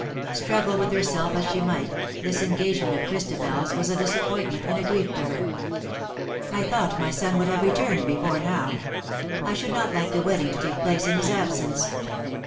Struggle with herself as she might, this engagement of Christabel's was a disappointment and a grief to her. " I thought my son would have returned 192 IN SOCIETY. before now. I should not like tlie wedding to take place in his absence."